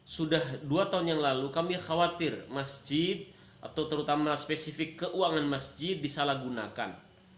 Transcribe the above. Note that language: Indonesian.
sudah dua tahun yang lalu kami khawatir masjid atau terutama spesifik keuangan masjid disalahgunakan